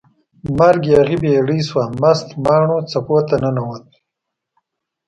مرک یاغي بیړۍ شوه، مست ماڼو څپو ته ننووت